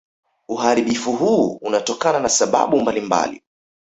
Uharibifu huu unatokana na sababu mbalimbali